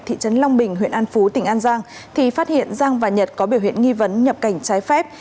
thị trấn long bình huyện an phú tỉnh an giang thì phát hiện giang và nhật có biểu hiện nghi vấn nhập cảnh trái phép